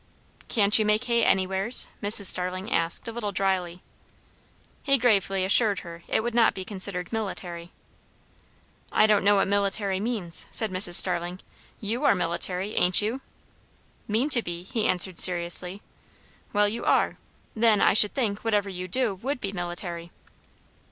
"Can't you make hay anywheres?" Mrs. Starling asked a little dryly. He gravely assured her it would not be considered military. "I don't know what military means," said Mrs. Starling. "You are military, ain't you?" "Mean to be," he answered seriously. "Well, you are. Then, I should think, whatever you do would be military."